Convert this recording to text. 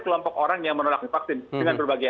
kelompok orang yang mau lakukan vaksin dengan berbagai